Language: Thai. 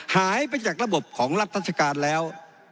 หายไปจากระบบของรัฐราชการแล้ว